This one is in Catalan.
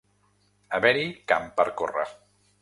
Haver-hi camp per córrer.